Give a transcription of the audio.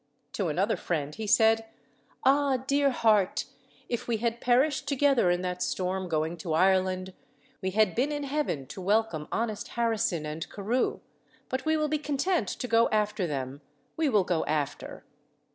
To another friend he said, "Ah, dear heart! if we had perished together in that storm going to Ireland, we had been in heaven to welcome honest Harrison and Carew; but we will be content to go after them we will go after."